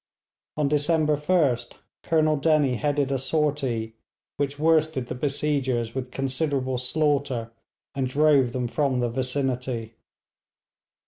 On December 1st Colonel Dennie headed a sortie, which worsted the besiegers with considerable slaughter and drove them from the vicinity.